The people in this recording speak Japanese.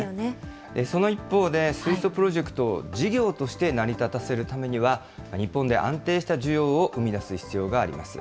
その一方で、水素プロジェクトを事業として成り立たせるためには、日本で安定した需要を生み出す必要があります。